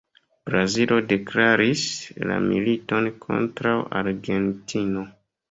Brazilo deklaris la militon kontraŭ Argentino.